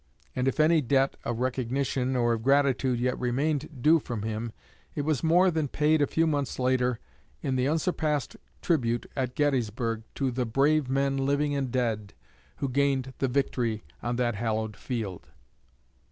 And if any debt of recognition or of gratitude yet remained due from him, it was more than paid a few months later in the unsurpassed tribute at Gettysburg to "the brave men, living and dead," who gained the victory on that hallowed field.